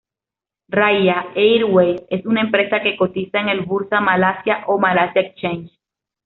Raya Airways es una empresa que cotiza en el Bursa Malaysia o Malaysia Exchange.